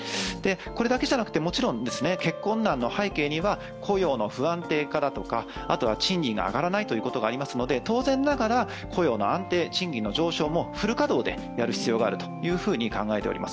これだけじゃなくてもちろん、結婚難の背景には雇用の不安定化、賃金が上がらないということがありますので当然ながら、雇用の安定、賃金の上昇もフル稼働でやる必要があると考えております。